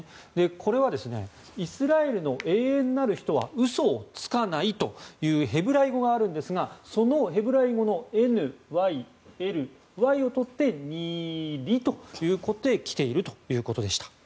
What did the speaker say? これはイスラエルの永遠なる人は嘘をつかないというヘブライ語があるんですがそのＮＹＬＹを取ってニリということで来ているということでした。